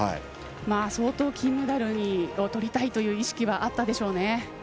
相当、金メダルを取りたいという意識はあったでしょうね。